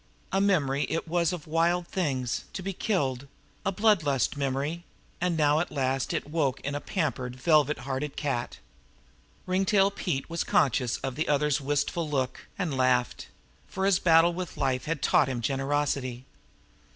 A memory it was of wild things, to be killed a blood lust memory and now at last it woke in a pampered, velvet hearted cat. Ringtail Pete was conscious of the other's wistful look, and laughed; for his battle with life had taught him generosity.